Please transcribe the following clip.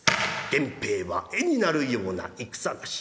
源平は絵になるような戦がし。